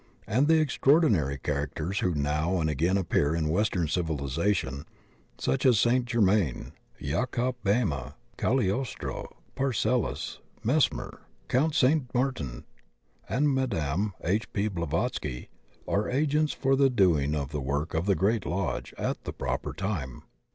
And the extraordinary characters who now and again appear in western civil ization, such as St. Germain, Jacob Boehme, Caglios tro, Paracelsus, Mesmer, Count St. Martin, and Madame H. P. Blavatsky, are agents for the doing of the work of the Great Lodge at the proper time.